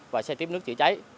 và xe tiếp nước chữa cháy